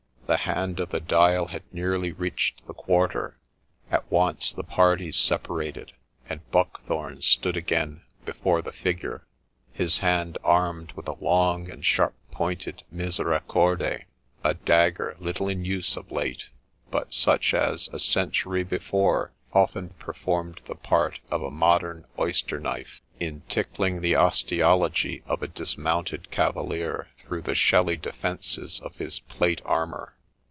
The hand of the dial had nearly reached the quarter : at once the parties separated : and Buckthorne stood again before the figure, his hand armed with a long and sharp pointed misericorde, a dagger little in use of late, but such as, a century before, often performed the partJof a modern oyster knife, in tickling the osteology of a dismounted cavalier through the shelly defences of his plate armour.